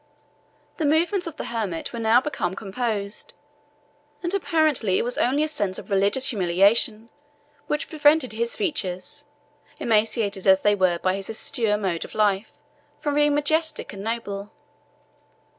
The movements of the hermit were now become composed, and apparently it was only a sense of religious humiliation which prevented his features, emaciated as they were by his austere mode of life, from being majestic and noble.